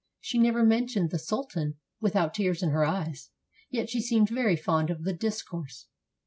She never mentioned the sultan without tears in her eyes, yet she seemed very fond of the discourse.